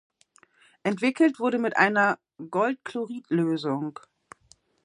Entwickelt wurde mit einer Goldchlorid-Lösung.